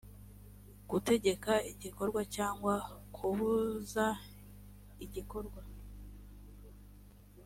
gutegeka igikorwa cyangwa kubuza igikorwa